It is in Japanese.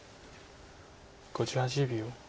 ５８秒。